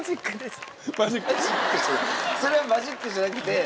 それはマジックじゃなくて。